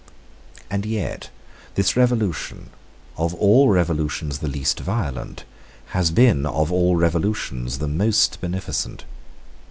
And yet this revolution, of all revolutions the least violent, has been of all revolutions the most beneficent.